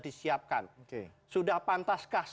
disiapkan sudah pantaskah